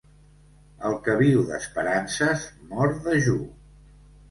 El que viu d'esperances mor dejú.